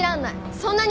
そんなに。